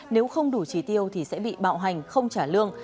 nếu không đủ trí tiêu thì sẽ bị bạo hành không trả lương